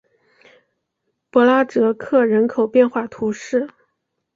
博拉泽克人口变化图示